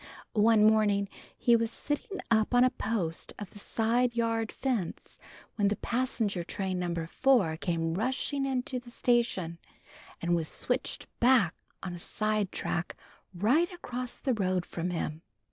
One morning he was sitting up on a post of the side yard fence, when the passenger train Number Four came rushing in to the station, and was switched back on a side track right across the road from him.